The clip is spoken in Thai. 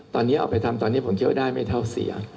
ตอนนี้เอาไปทำตอนนี้ผมเชื่อว่าได้ไม่เท่าเสีย